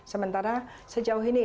sementara sejauh ini